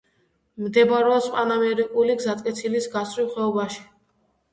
მდებარეობს პანამერიკული გზატკეცილის გასწვრივ, ხეობაში.